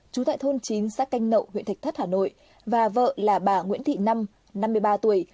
trú tại thôn chín xã canh nậu huyện thạch thất hà nội và vợ là bà nguyễn thị năm năm mươi ba tuổi